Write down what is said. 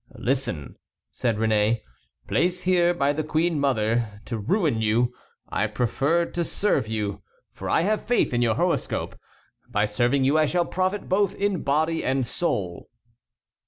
"Listen," said Réné; "placed here by the queen mother to ruin you, I prefer to serve you, for I have faith in your horoscope. By serving you I shall profit both in body and soul."